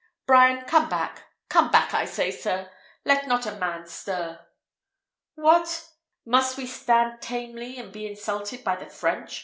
"Brian, come back! come back, I say, sir! let not a man stir!" "What! must we stand tamely and be insulted by the French?"